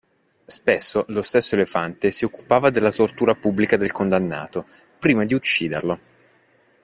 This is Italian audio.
Spesso lo stesso elefante si occupava della tortura pubblica del condannato, prima di ucciderlo.